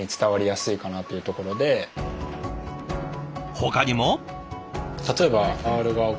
ほかにも。